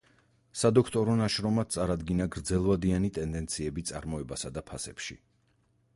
სადოქტორო ნაშრომად წარადგინა: „გრძელვადიანი ტენდენციები წარმოებასა და ფასებში“.